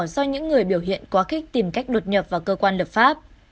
do những người biểu hiện quá khích tìm cách đột nhập vào cơ quan lập pháp